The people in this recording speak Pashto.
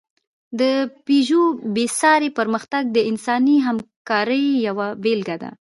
د پيژو بېساری پرمختګ د انساني همکارۍ یوه بېلګه ده.